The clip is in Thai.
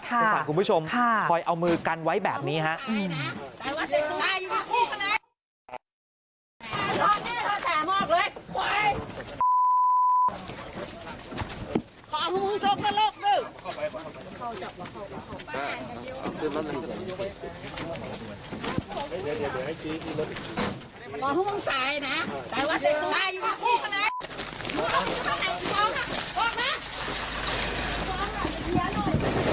คุณผู้ชมค่ะคุณผู้ชมค่ะคอยเอามือกันไว้แบบนี้ฮะอืม